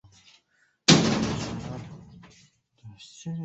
此地位于大正时期设置的岸飞行场西端。